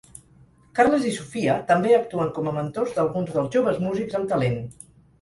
Carles i Sofia també actuen com a mentors d'alguns dels joves músics amb talent.